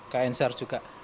dan nsar juga